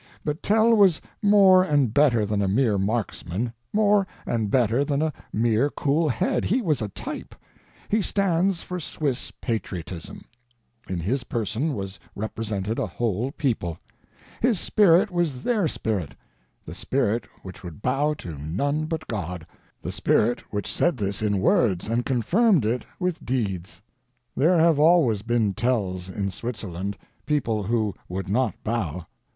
But Tell was more and better than a mere marksman, more and better than a mere cool head; he was a type; he stands for Swiss patriotism; in his person was represented a whole people; his spirit was their spirit—the spirit which would bow to none but God, the spirit which said this in words and confirmed it with deeds. There have always been Tells in Switzerland—people who would not bow.